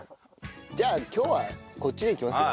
じゃあ今日はこっちでいきますよ。